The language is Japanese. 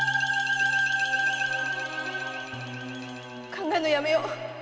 考えんのやめよっ。